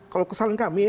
kalau kesan kami ya